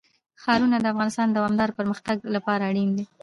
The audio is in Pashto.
ښارونه د افغانستان د دوامداره پرمختګ لپاره اړین دي.